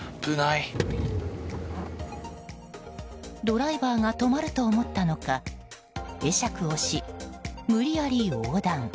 ドライバーが止まると思ったのか会釈をし、無理やり横断。